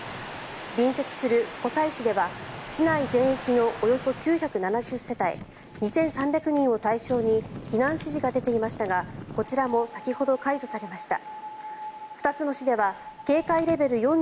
隣接する湖西市では市内全域のおよそ９７０世帯２３００人を対象に避難指示が出ていましたがこちらも先ほど解除されました。